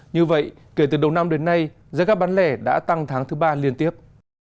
như vậy kể từ đầu năm đến nay giá gap bán lẻ đã tăng tháng thứ ba liên tiếp